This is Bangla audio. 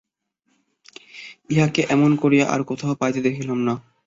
ইহাকে এমন করিয়া আর কোথাও দেখিতে পাইতাম না।